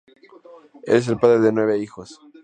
Él es el padre de nueve hijos.